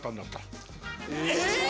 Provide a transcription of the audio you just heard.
え！